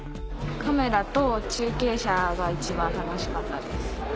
カメラと中継車が一番楽しかったです。